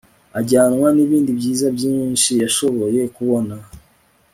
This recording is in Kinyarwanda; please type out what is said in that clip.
ajyana n'ibindi byiza byinshi yashoboye kubona